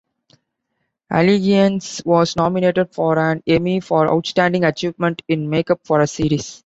"Allegiance" was nominated for an Emmy for Outstanding Achievement in Makeup for a Series.